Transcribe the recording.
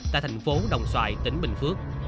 tại thành phố đồng xoài tỉnh bình phước